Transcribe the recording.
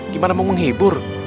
gimana mau menghibur